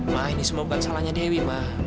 ma ini semua bukan salahnya dewi ma